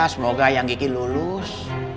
semoga yang kiki lulus